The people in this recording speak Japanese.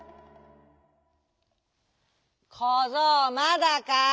「こぞうまだか？」。